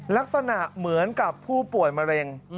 ลักษณะเหมือนกับผู้ป่วยมะเร็ง